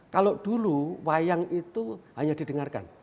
kalau dulu wayang itu hanya didengarkan